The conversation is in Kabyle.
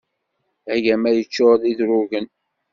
Agama yeččur d idrugen.